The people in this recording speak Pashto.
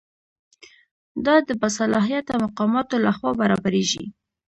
دا د باصلاحیته مقاماتو لخوا برابریږي.